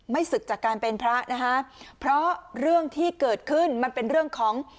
ศึกจากการเป็นพระนะคะเพราะเรื่องที่เกิดขึ้นมันเป็นเรื่องของ